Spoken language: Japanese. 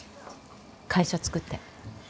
会社作って。